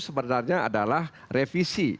sebenarnya adalah revisi